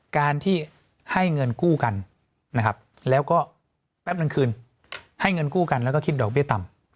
การที่ให้เงินกู้กันนะครับแล้วก็แป๊บนึงคืนให้เงินกู้กันแล้วก็คิดดอกเบี้ยต่ำ